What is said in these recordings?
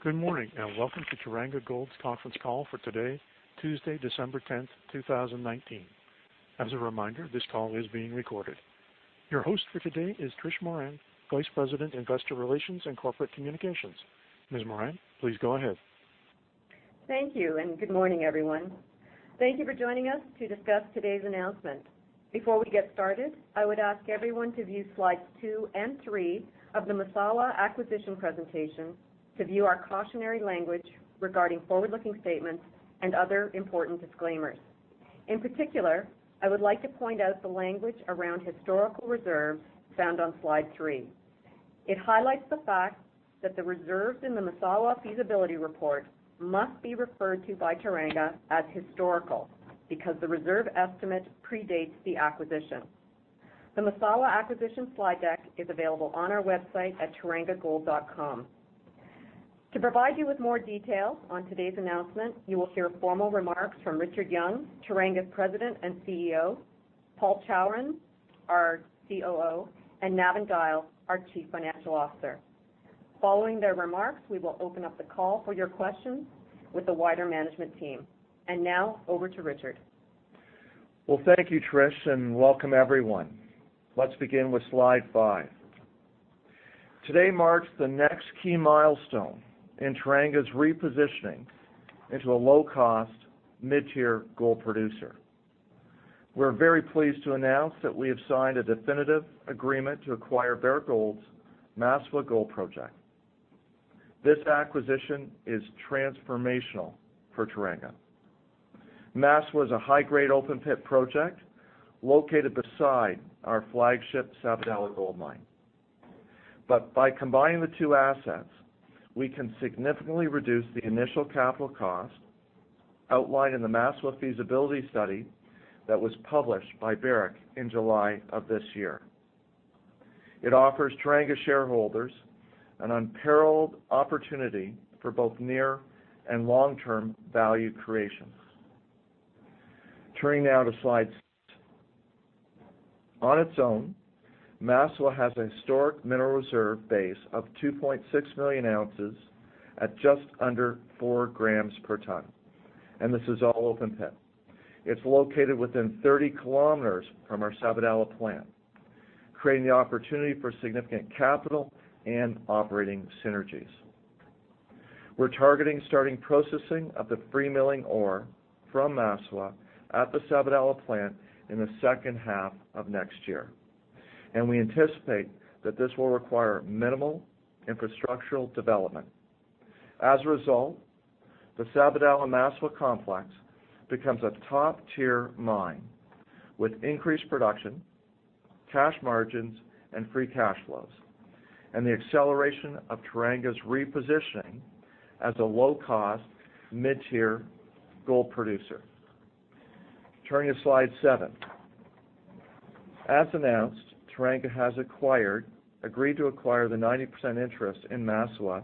Good morning, and welcome to Teranga Gold's Conference Call for today, Tuesday, December 10, 2019. As a reminder, this call is being recorded. Your host for today is Trish Moran, Vice President, Investor Relations and Corporate Communications. Ms. Moran, please go ahead. Thank you, and good morning, everyone. Thank you for joining us to discuss today's announcement. Before we get started, I would ask everyone to view slides two and three of the Massawa acquisition presentation to view our cautionary language regarding forward-looking statements and other important disclaimers. In particular, I would like to point out the language around historical reserves found on slide three. It highlights the fact that the reserves in the Massawa feasibility report must be referred to by Teranga as historical because the reserve estimate predates the acquisition. The Massawa acquisition slide deck is available on our website at terangagold.com. To provide you with more details on today's announcement, you will hear formal remarks from Richard Young, Teranga's President and CEO, Paul Chawrun, our COO, and Navin Dyal, our Chief Financial Officer. Following their remarks, we will open up the call for your questions with the wider management team. Now, over to Richard. Well, thank you, Trish, and welcome everyone. Let's begin with slide five. Today marks the next key milestone in Teranga's repositioning into a low-cost, mid-tier gold producer. We're very pleased to announce that we have signed a definitive agreement to acquire Barrick Gold's Massawa Gold Project. This acquisition is transformational for Teranga. Massawa is a high-grade open-pit project located beside our flagship Sabodala Gold Mine. By combining the two assets, we can significantly reduce the initial capital cost outlined in the Massawa feasibility study that was published by Barrick in July of this year. It offers Teranga shareholders an unparalleled opportunity for both near and long-term value creation. Turning now to slide six. On its own, Massawa has a historic mineral reserve base of 2.6 million ounces at just under four grams per ton, and this is all open pit. It's located within 30 km from our Sabodala plant, creating the opportunity for significant capital and operating synergies. We're targeting starting processing of the free-milling ore from Massawa at the Sabodala plant in the second half of next year, and we anticipate that this will require minimal infrastructural development. As a result, the Sabodala Massawa complex becomes a top-tier mine with increased production, cash margins, and free cash flows, and the acceleration of Teranga's repositioning as a low-cost, mid-tier gold producer. Turning to slide seven. As announced, Teranga has agreed to acquire the 90% interest in Massawa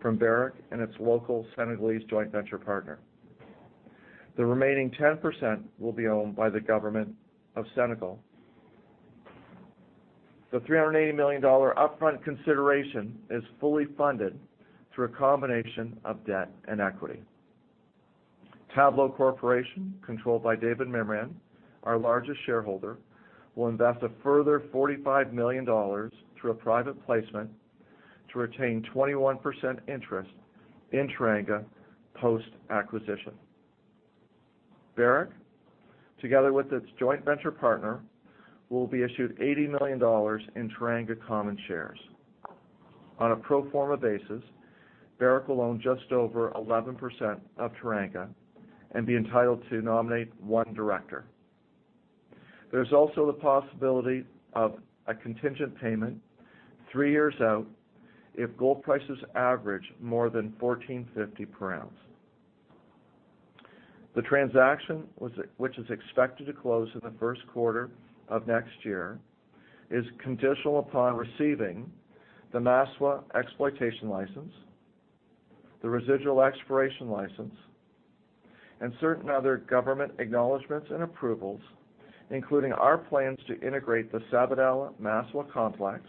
from Barrick and its local Senegalese joint venture partner. The remaining 10% will be owned by the government of Senegal. The $380 million upfront consideration is fully funded through a combination of debt and equity. Tablo Corporation, controlled by David Mimran, our largest shareholder, will invest a further $45 million through a private placement to retain 21% interest in Teranga post-acquisition. Barrick, together with its joint venture partner, will be issued $80 million in Teranga common shares. On a pro forma basis, Barrick will own just over 11% of Teranga and be entitled to nominate one director. There's also the possibility of a contingent payment three years out if gold prices average more than $1,450 per ounce. The transaction, which is expected to close in the first quarter of next year, is conditional upon receiving the Massawa exploitation license, the residual exploration license, and certain other government acknowledgments and approvals, including our plans to integrate the Sabodala Massawa complex.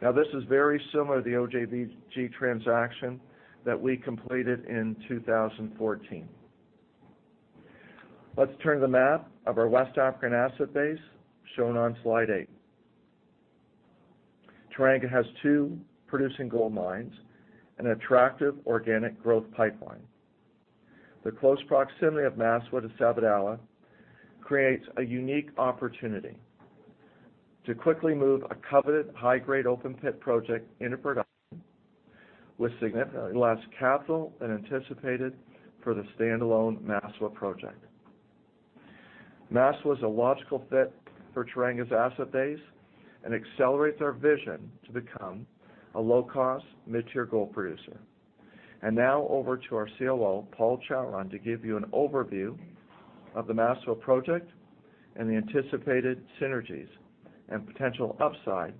This is very similar to the OJVG transaction that we completed in 2014. Let's turn to the map of our West African asset base shown on slide eight. Teranga has two producing gold mines and an attractive organic growth pipeline. The close proximity of Massawa to Sabodala creates a unique opportunity to quickly move a coveted high-grade open-pit project into production with significantly less capital than anticipated for the standalone Massawa project. Massawa is a logical fit for Teranga's asset base and accelerates our vision to become a low-cost, mid-tier gold producer. Now over to our COO, Paul Chawrun, to give you an overview of the Massawa project and the anticipated synergies and potential upside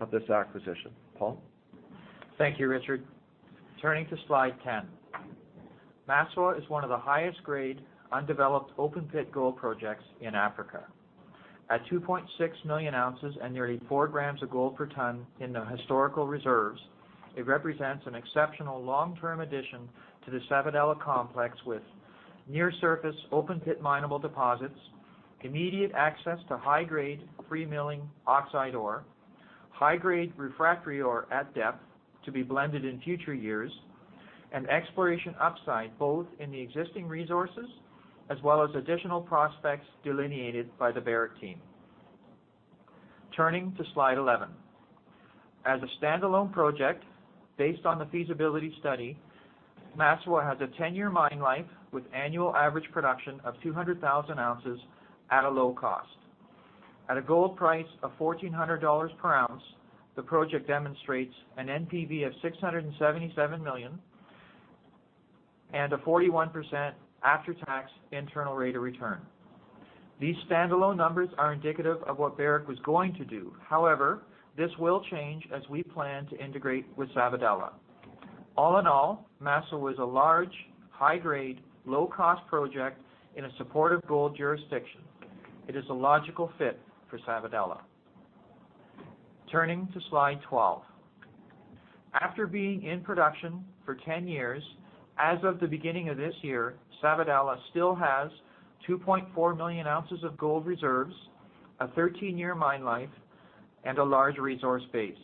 of this acquisition. Paul? Thank you, Richard. Turning to slide 10. Massawa is one of the highest grade, undeveloped open pit gold projects in Africa. At 2.6 million ounces and nearly 4 grams of gold per ton in the historical reserves, it represents an exceptional long-term addition to the Sabodala complex with near surface open pit mineable deposits, immediate access to high grade free-milling oxide ore, high grade refractory ore at depth to be blended in future years, and exploration upside, both in the existing resources as well as additional prospects delineated by the Barrick team. Turning to slide 11. As a standalone project, based on the feasibility study, Massawa has a 10-year mine life with annual average production of 200,000 ounces at a low cost. At a gold price of $1,400 per ounce, the project demonstrates an NPV of $677 million and a 41% after-tax internal rate of return. These standalone numbers are indicative of what Barrick was going to do. This will change as we plan to integrate with Sabodala. Massawa is a large, high grade, low cost project in a supportive gold jurisdiction. It is a logical fit for Sabodala. Turning to slide 12. After being in production for 10 years, as of the beginning of this year, Sabodala still has 2.4 million ounces of gold reserves, a 13-year mine life, and a large resource base.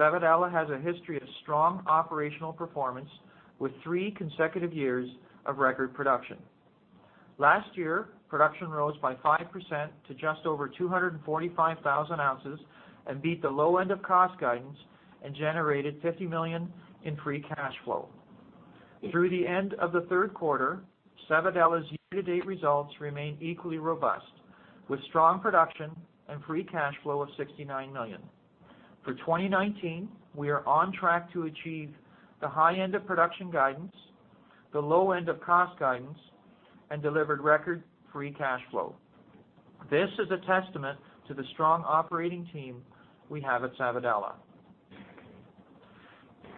Sabodala has a history of strong operational performance with three consecutive years of record production. Last year, production rose by 5% to just over 245,000 ounces and beat the low end of cost guidance and generated $50 million in free cash flow. Through the end of the third quarter, Sabodala's year-to-date results remain equally robust, with strong production and free cash flow of $69 million. For 2019, we are on track to achieve the high end of production guidance, the low end of cost guidance, and delivered record free cash flow. This is a testament to the strong operating team we have at Sabodala.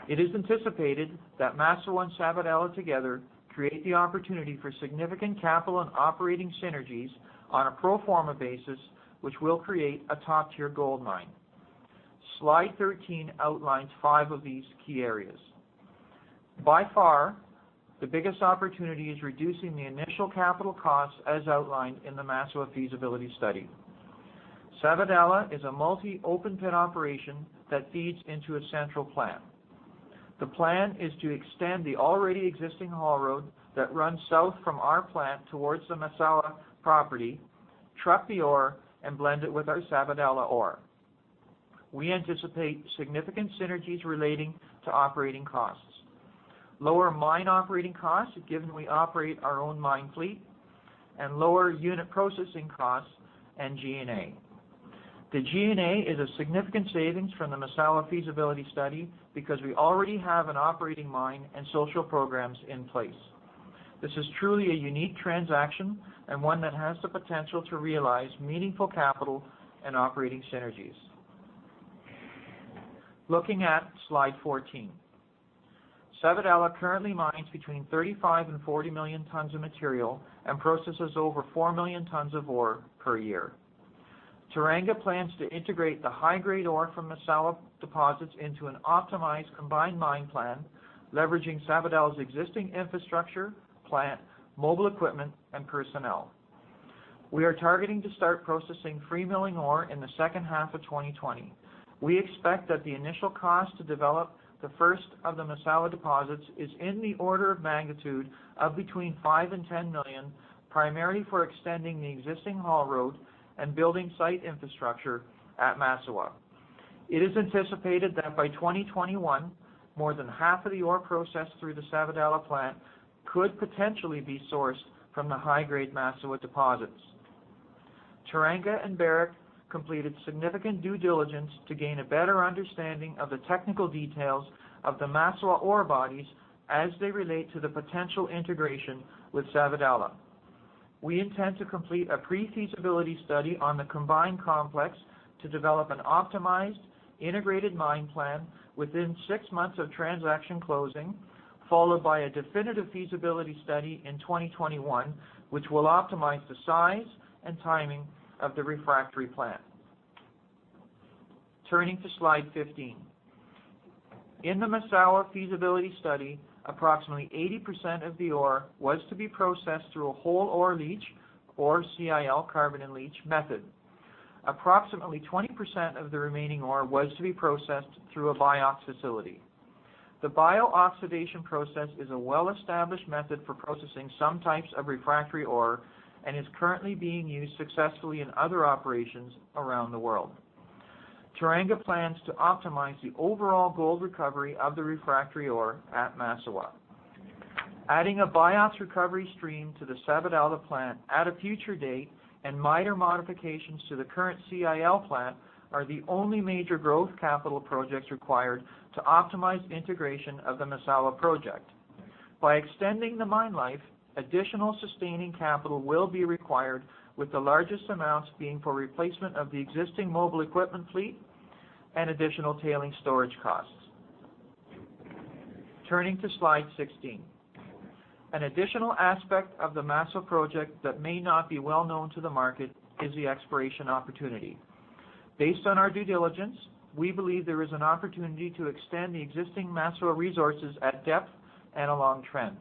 It is anticipated that Massawa and Sabodala together create the opportunity for significant capital and operating synergies on a pro forma basis, which will create a top tier gold mine. Slide 13 outlines five of these key areas. By far, the biggest opportunity is reducing the initial capital costs as outlined in the Massawa feasibility study. Sabodala is a multi-open pit operation that feeds into a central plant. The plan is to extend the already existing haul road that runs south from our plant towards the Massawa property, truck the ore, and blend it with our Sabodala ore. We anticipate significant synergies relating to operating costs. Lower mine operating costs, given we operate our own mine fleet, and lower unit processing costs and G&A. The G&A is a significant savings from the Massawa feasibility study because we already have an operating mine and social programs in place. This is truly a unique transaction and one that has the potential to realize meaningful capital and operating synergies. Looking at slide 14. Sabodala currently mines between 35 million-40 million tons of material and processes over 4 million tons of ore per year. Teranga plans to integrate the high-grade ore from Massawa deposits into an optimized combined mine plan, leveraging Sabodala's existing infrastructure, plant, mobile equipment, and personnel. We are targeting to start processing free-milling ore in the second half of 2020. We expect that the initial cost to develop the first of the Massawa deposits is in the order of magnitude of between $5 million and $10 million, primarily for extending the existing haul road and building site infrastructure at Massawa. It is anticipated that by 2021, more than half of the ore processed through the Sabodala plant could potentially be sourced from the high-grade Massawa deposits. Teranga and Barrick completed significant due diligence to gain a better understanding of the technical details of the Massawa ore bodies as they relate to the potential integration with Sabodala. We intend to complete a pre-feasibility study on the combined complex to develop an optimized integrated mine plan within six months of transaction closing, followed by a definitive feasibility study in 2021, which will optimize the size and timing of the refractory plant. Turning to slide 15. In the Massawa feasibility study, approximately 80% of the ore was to be processed through a whole ore leach or CIL, carbon-in-leach, method. Approximately 20% of the remaining ore was to be processed through a BIOX facility. The bio-oxidation process is a well-established method for processing some types of refractory ore and is currently being used successfully in other operations around the world. Teranga plans to optimize the overall gold recovery of the refractory ore at Massawa. Adding a BIOX recovery stream to the Sabodala plant at a future date and minor modifications to the current CIL plant are the only major growth capital projects required to optimize integration of the Massawa project. By extending the mine life, additional sustaining capital will be required with the largest amounts being for replacement of the existing mobile equipment fleet. Additional tailing storage costs. Turning to slide 16. An additional aspect of the Massawa project that may not be well-known to the market is the exploration opportunity. Based on our due diligence, we believe there is an opportunity to extend the existing Massawa resources at depth and along trend.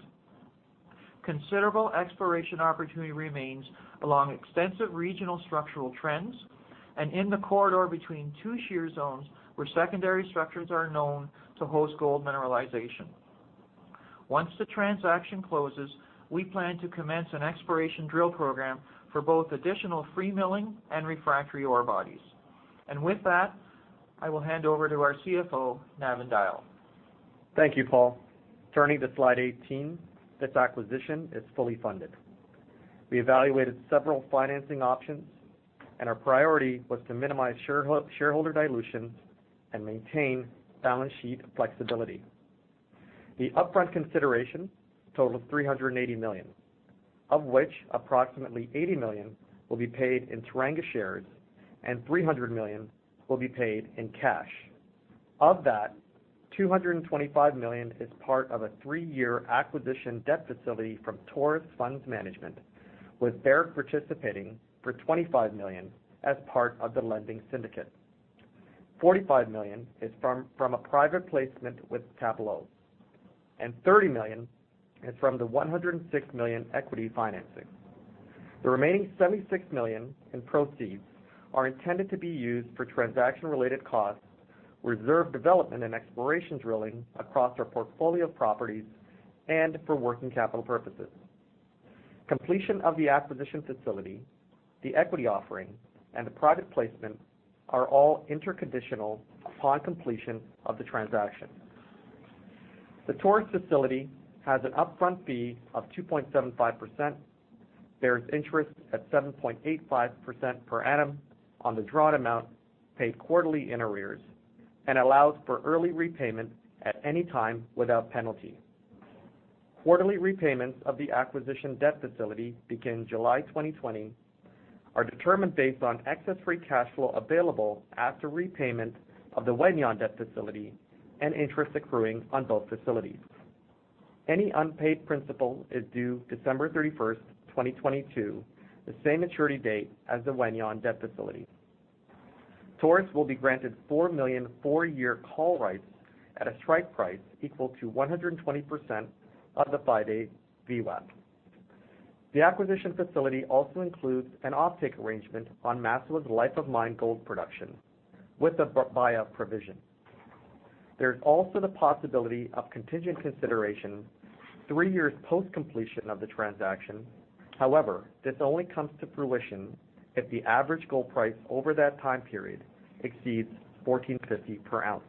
Considerable exploration opportunity remains along extensive regional structural trends and in the corridor between two shear zones where secondary structures are known to host gold mineralization. Once the transaction closes, we plan to commence an exploration drill program for both additional free-milling and refractory ore bodies. With that, I will hand over to our CFO, Navin Dyal. Thank you, Paul. Turning to slide 18, this acquisition is fully funded. We evaluated several financing options. Our priority was to minimize shareholder dilution and maintain balance sheet flexibility. The upfront consideration, total of $380 million, of which approximately $80 million will be paid in Teranga shares, and $300 million will be paid in cash. Of that, $225 million is part of a three-year acquisition debt facility from Taurus Funds Management, with Barrick participating for $25 million as part of the lending syndicate. $45 million is from a private placement with Tablo and $30 million is from the $106 million equity financing. The remaining $76 million in proceeds are intended to be used for transaction-related costs, reserve development, and exploration drilling across our portfolio of properties, and for working capital purposes. Completion of the acquisition facility, the equity offering, and the private placement are all interconditional upon completion of the transaction. The Taurus facility has an upfront fee of 2.75%, bears interest at 7.85% per annum on the drawn amount paid quarterly in arrears, and allows for early repayment at any time without penalty. Quarterly repayments of the acquisition debt facility begin July 2020, are determined based on excess free cash flow available after repayment of the Wahgnion debt facility, and interest accruing on both facilities. Any unpaid principal is due December 31st, 2022, the same maturity date as the Wahgnion debt facility. Taurus will be granted 4 million, four-year call rights at a strike price equal to 120% of the five-day VWAP. The acquisition facility also includes an offtake arrangement on Massawa's life-of-mine gold production with a buy-up provision. There's also the possibility of contingent consideration three years post completion of the transaction. However, this only comes to fruition if the average gold price over that time period exceeds $1,450 per ounce.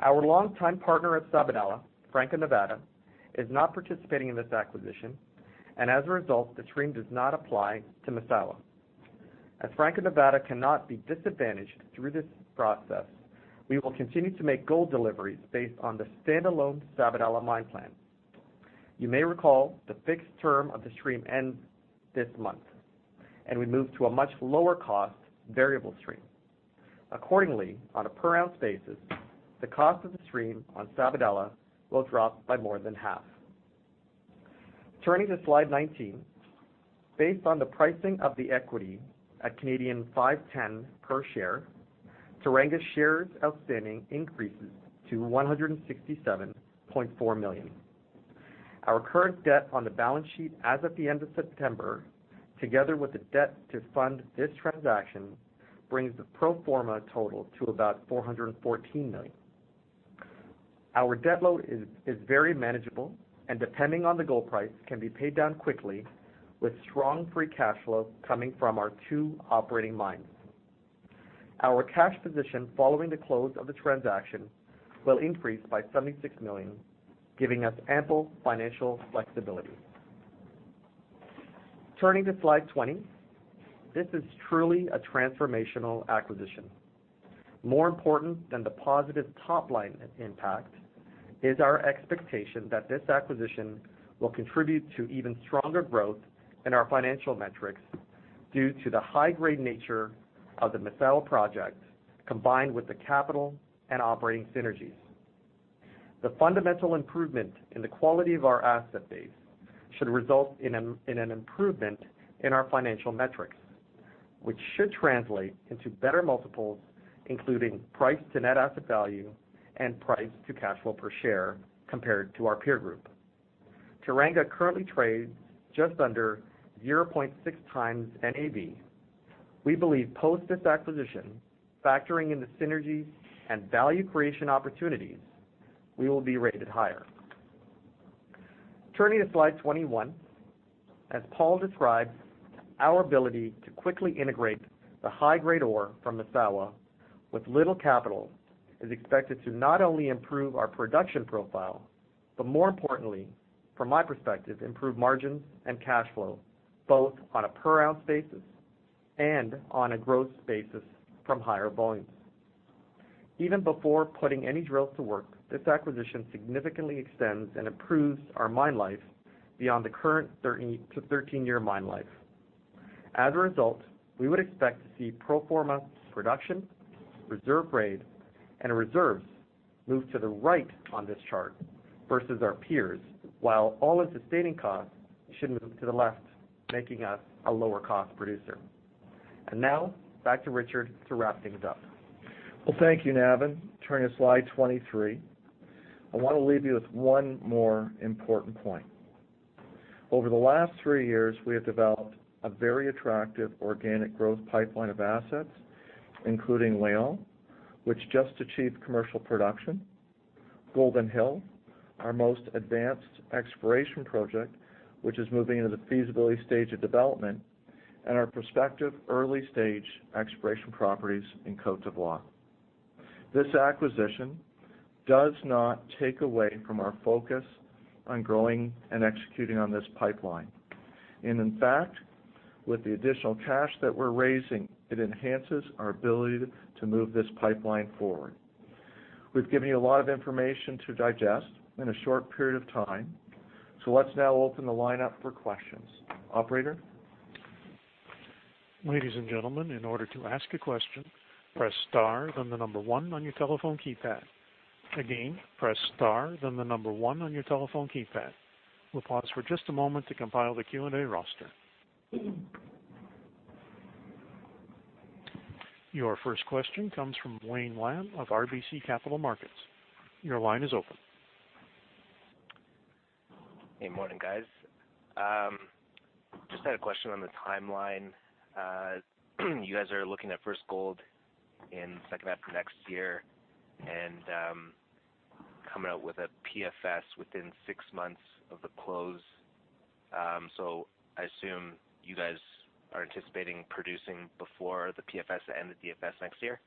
Our longtime partner at Sabodala, Franco-Nevada, is not participating in this acquisition. As a result, the stream does not apply to Massawa. As Franco-Nevada cannot be disadvantaged through this process, we will continue to make gold deliveries based on the standalone Sabodala mine plan. You may recall the fixed term of the stream ends this month, and we move to a much lower cost variable stream. Accordingly, on a per-ounce basis, the cost of the stream on Sabodala will drop by more than half. Turning to slide 19. Based on the pricing of the equity at 5.10 per share, Teranga shares outstanding increases to $167.4 million. Our current debt on the balance sheet as of the end of September, together with the debt to fund this transaction, brings the pro forma total to about $414 million. Our debt load is very manageable and, depending on the gold price, can be paid down quickly with strong free cash flow coming from our two operating mines. Our cash position following the close of the transaction will increase by $76 million, giving us ample financial flexibility. Turning to slide 20. This is truly a transformational acquisition. More important than the positive top-line impact is our expectation that this acquisition will contribute to even stronger growth in our financial metrics due to the high-grade nature of the Massawa project, combined with the capital and operating synergies. The fundamental improvement in the quality of our asset base should result in an improvement in our financial metrics, which should translate into better multiples, including price to net asset value and price to cash flow per share compared to our peer group. Teranga currently trades just under 0.6 times NAV. We believe post this acquisition, factoring in the synergies and value creation opportunities, we will be rated higher. Turning to slide 21. As Paul described, our ability to quickly integrate the high-grade ore from Massawa with little capital is expected to not only improve our production profile, but more importantly, from my perspective, improve margins and cash flow, both on a per-ounce basis and on a growth basis from higher volumes. Even before putting any drills to work, this acquisition significantly extends and improves our mine life beyond the current 13-year mine life. As a result, we would expect to see pro forma production, reserve grade, and reserves move to the right on this chart versus our peers, while all of the sustaining costs should move to the left, making us a lower cost producer. Now, back to Richard to wrap things up. Thank you, Navin. Turning to slide 23. I want to leave you with one more important point. Over the last three years, we have developed a very attractive organic growth pipeline of assets, including Wahgnion, which just achieved commercial production, Golden Hill, our most advanced exploration project, which is moving into the feasibility stage of development, and our prospective early-stage exploration properties in Côte d'Ivoire. This acquisition does not take away from our focus on growing and executing on this pipeline. In fact, with the additional cash that we're raising, it enhances our ability to move this pipeline forward. We've given you a lot of information to digest in a short period of time, so let's now open the line up for questions. Operator? Ladies and gentlemen, in order to ask a question, press star then the number one on your telephone keypad. Again, press star then the number one on your telephone keypad. We'll pause for just a moment to compile the Q&A roster. Your first question comes from Wayne Lam of RBC Capital Markets. Your line is open. Hey, morning, guys. Just had a question on the timeline. You guys are looking at first gold in second half of next year and coming out with a PFS within six months of the close, I assume you guys are anticipating producing before the PFS and the DFS next year,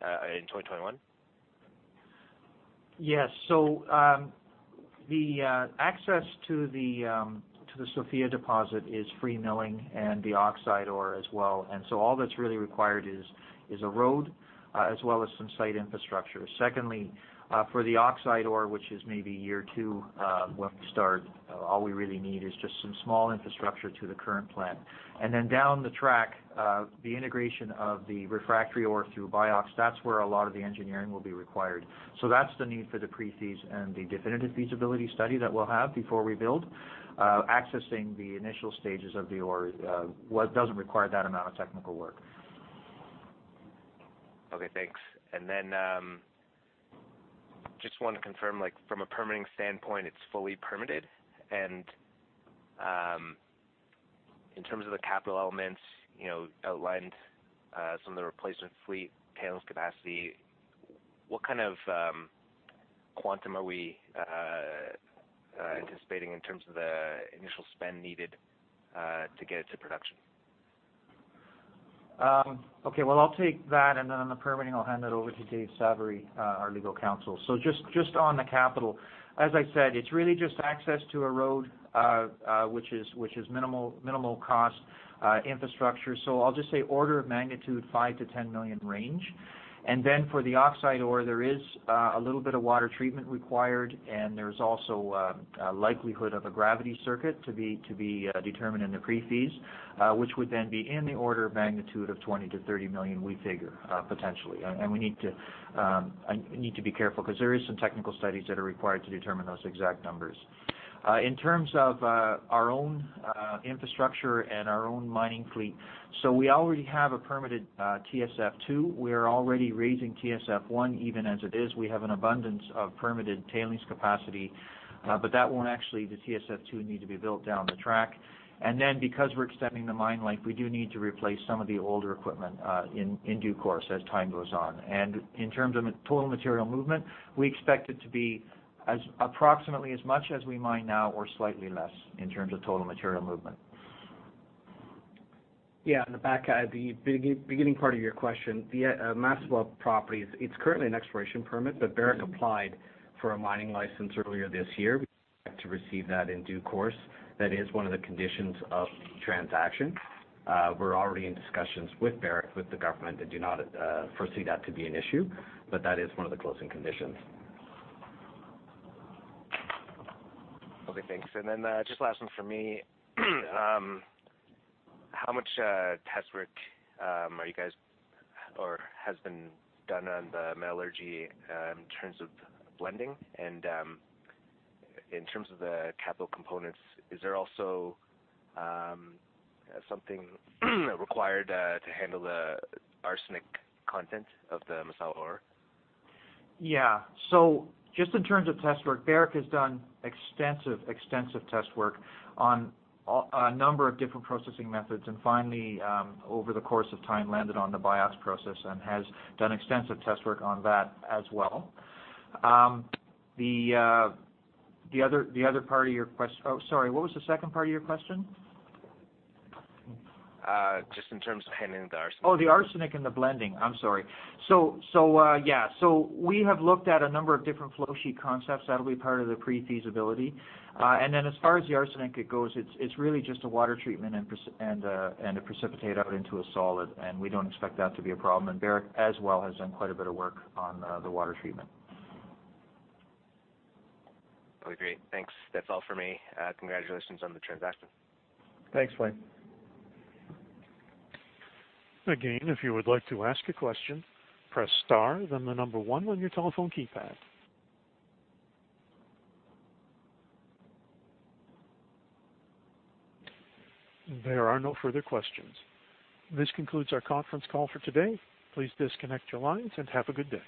in 2021? Yes. The access to the Sofia deposit is free-milling and the oxide ore as well. All that's really required is a road, as well as some site infrastructure. Secondly, for the oxide ore, which is maybe year two when we start, all we really need is just some small infrastructure to the current plant. Down the track, the integration of the refractory ore through BIOX, that's where a lot of the engineering will be required. That's the need for the pre-feas and the definitive feasibility study that we'll have before we build. Accessing the initial stages of the ore doesn't require that amount of technical work. Okay, thanks. Just wanted to confirm, from a permitting standpoint, it's fully permitted? In terms of the capital elements, outlined some of the replacement fleet, tailings capacity, what kind of quantum are we anticipating in terms of the initial spend needed to get it to production? Okay. Well, I'll take that, then on the permitting, I'll hand it over to Dave Savarie, our legal counsel. Just on the capital, as I said, it's really just access to a road, which is minimal cost infrastructure. I'll just say order of magnitude, $5 million-$10 million range. Then for the oxide ore, there is a little bit of water treatment required, and there's also a likelihood of a gravity circuit to be determined in the pre-feas, which would then be in the order of magnitude of $20 million-$30 million, we figure, potentially. We need to be careful because there is some technical studies that are required to determine those exact numbers. In terms of our own infrastructure and our own mining fleet, we already have a permitted TSF 2. We're already raising TSF 1. Even as it is, we have an abundance of permitted tailings capacity. That won't actually, the TSF 2 need to be built down the track. Then because we're extending the mine life, we do need to replace some of the older equipment in due course as time goes on. In terms of total material movement, we expect it to be approximately as much as we mine now or slightly less in terms of total material movement. Yeah, on the back half, the beginning part of your question, the Massawa property, it's currently an exploration permit, but Barrick applied for a mining license earlier this year. We expect to receive that in due course. That is one of the conditions of the transaction. We're already in discussions with Barrick, with the government, and do not foresee that to be an issue, but that is one of the closing conditions. Okay, thanks. Just last one from me. How much test work are you guys or has been done on the metallurgy in terms of blending and in terms of the capital components, is there also something required to handle the arsenic content of the Massawa ore? Yeah. Just in terms of test work, Barrick has done extensive test work on a number of different processing methods, and finally, over the course of time, landed on the BIOX process and has done extensive test work on that as well. Oh, sorry, what was the second part of your question? Just in terms of handling the arsenic. Oh, the arsenic and the blending. I'm sorry. Yeah. We have looked at a number of different flow sheet concepts. That'll be part of the pre-feasibility. As far as the arsenic, it goes, it's really just a water treatment and to precipitate out into a solid, and we don't expect that to be a problem. Barrick as well has done quite a bit of work on the water treatment. Okay, great. Thanks. That's all for me. Congratulations on the transaction. Thanks, Wayne. Again, if you would like to ask a question, press star then the number one on your telephone keypad. There are no further questions. This concludes our conference call for today. Please disconnect your lines and have a good day.